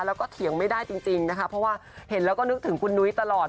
แล้วก็เถียงไม่ได้จริงนะคะเพราะว่าเห็นแล้วก็นึกถึงคุณนุ้ยตลอด